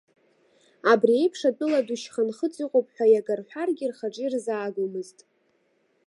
Абри аиԥш атәыла ду шьха-нхыҵ иҟоуп ҳәа иага рҳәаргьы рхаҿы ирзаагомызт.